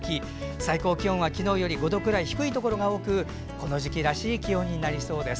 最高気温は昨日より５度くらい低いところが多くこの時期らしい気温になりそうです。